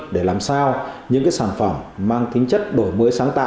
để làm sao những sản phẩm mang tính chất đổi mới sáng tạo